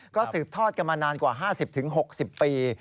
ก็สืบทอดกันมานานกว่า๕๐๖๐ปี